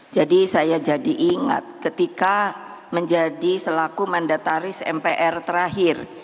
jadi saya jadi ingat ketika menjadi selaku mandataris mpr terakhir